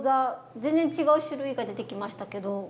全然違う種類が出てきましたけど。